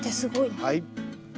はい。